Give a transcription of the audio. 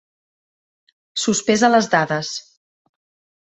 Sospesa les dades.